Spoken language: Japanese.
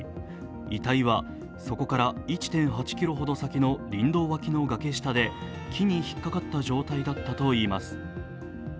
遺体はそこから１．８ｋｍほど先の林道脇の崖下で木に引っかかった状態だったといいます。